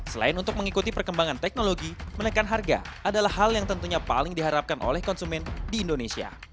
selain untuk mengikuti perkembangan teknologi menekan harga adalah hal yang tentunya paling diharapkan oleh konsumen di indonesia